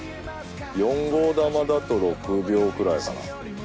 ４号玉だと６秒くらいかな。